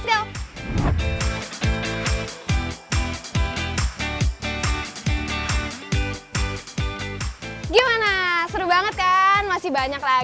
siap bungkus yuk